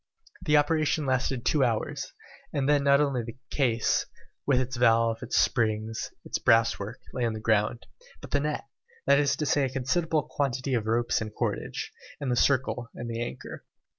The operation lasted two hours, and then not only the case, with its valve, its springs, its brasswork, lay on the ground, but the net, that is to say a considerable quantity of ropes and cordage, and the circle and the anchor.